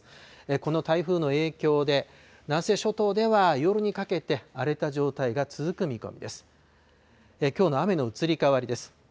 この台風の影響で、南西諸島では夜にかけて、荒れた状態が続く見込みです。